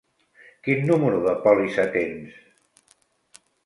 Quin número de pòlissa tens?